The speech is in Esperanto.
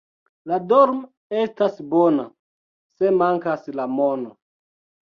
La dorm' estas bona, se mankas la mono.